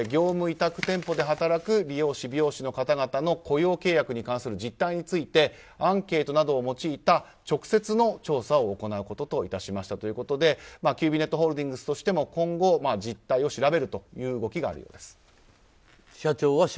今後について業務委託店舗で働く理容師、美容師の方々の雇用契約に関する実態についてのアンケートを用いた直接の調査を行うことと致しましたということでキュービーネットホールディングスとしても今後実態を調べるという動きがあります。